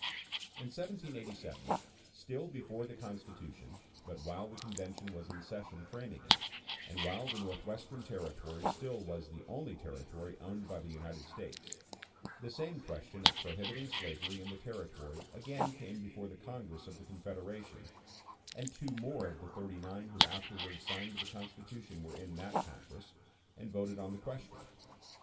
In 1787, still before the Constitution, but while the convention was in session framing it, and while the Northwestern Territory still was the only Territory owned by the United States, the same question of prohibiting slavery in the Territory again came before the Congress of the Confederation; and two more of the "thirty nine" who afterward signed the Constitution were in that Congress, and voted on the question.